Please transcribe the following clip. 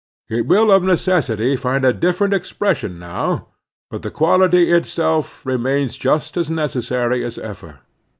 It Manhood and Statehood 343 will of necessity find a different expression now, but the quality itself remains just as necessary as ever.